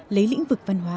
lấy lĩnh vực văn hóa